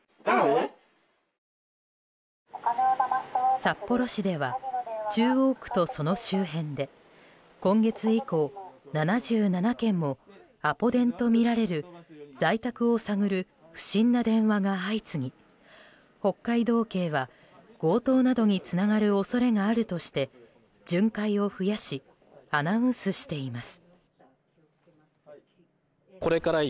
札幌市では中央区とその周辺で今月以降７７件もアポ電とみられる在宅を探る不審な電話が相次ぎ北海道警は強盗などにつながる恐れがあるとして巡回を増やしアナウンスしています。